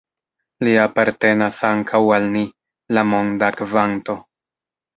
Li apartenas ankaŭ al ni, la monda kvanto.